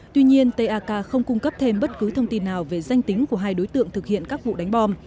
tuy nhiên tak không cung cấp thêm bất cứ thông tin nào về danh tính của hai đối tượng thực hiện các vụ đánh bom